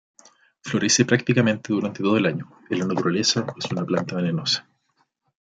Florece prácticamente durante todo el año, en la naturaleza es una planta venenosa.